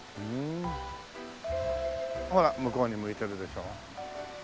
ほら向こうに向いてるでしょ。